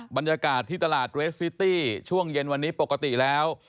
บรรยากาศที่ตลาดเรสซิตี้ช่วงเย็นวันนี้ปกติแล้ว